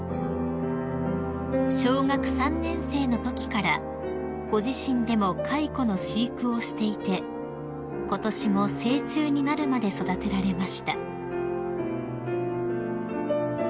［小学３年生のときからご自身でも蚕の飼育をしていてことしも成虫になるまで育てられました］